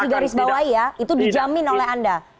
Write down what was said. digarisbawahi ya itu dijamin oleh anda